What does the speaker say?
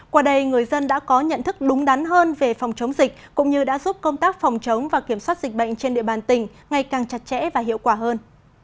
qua đây người dân đã có nhận thức đúng đắn hơn về phòng chống dịch cũng như đã giúp công tác phòng chống và kiểm soát dịch bệnh trên địa bàn tỉnh ngày càng chặt chẽ và hiệu quả hơn